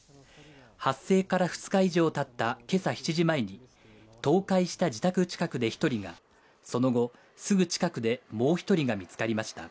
発生から２日以上たった今朝７時前に、倒壊した自宅近くで１人が、その後、すぐ近くでもう１人が見つかりました。